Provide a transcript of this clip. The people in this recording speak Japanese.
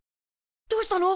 どうしたの？